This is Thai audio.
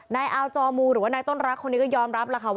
อาวจอมูหรือว่านายต้นรักคนนี้ก็ยอมรับแล้วค่ะ